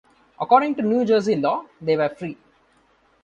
According to New Jersey law, they were free.